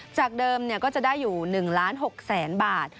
จากเดิมก็จะได้อยู่๑๖๐๐๐บาท